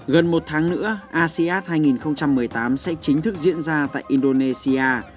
gần một tháng nữa asean hai nghìn một mươi tám sẽ chính thức diễn ra tại indonesia